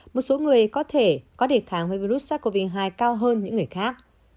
một số người có thể có đề kháng với virus sars cov hai cao hơn những người khác